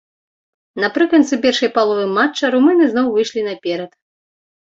Напрыканцы першай паловы матча румыны зноў выйшлі наперад.